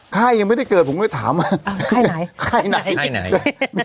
ไข้ยังไม่ได้เกิดผมก็ถามว่าไข้ไหนไข้ไหนไข้ไหน